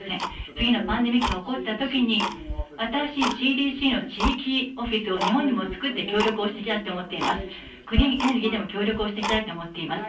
次のパンデミックが起こったときに、新しいＣＤＣの地域オフィスを日本にも作って協力をしていきたいと思っています。